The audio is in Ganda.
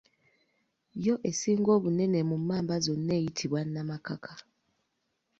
Yo esinga obunene mu mmamba zonna eyitibwa Namakaka.